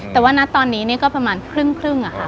แต่ว่าณตอนนี้ก็ประมาณครึ่งอะค่ะ